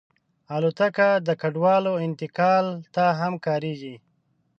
الوتکه د کډوالو انتقال ته هم کارېږي.